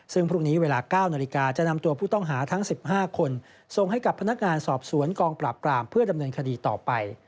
ซึ่งพรุ่งนี้เวลา๙นาฬิกาจะนำตัวผู้ต้องหาทั้ง๑๕คนส่งให้กับพนักงานสอบสวนกองปราบปรามเพื่อดำเนินคดีต่อไป